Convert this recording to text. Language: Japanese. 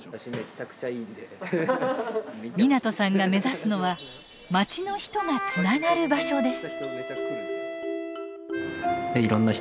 湊さんが目指すのはまちの人がつながる場所です。